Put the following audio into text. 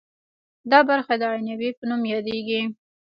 دا برخه د عنبیې په نوم یادیږي.